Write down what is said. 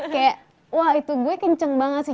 kayak wah itu gue kenceng banget sih